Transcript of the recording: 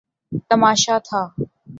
تماشا تھا۔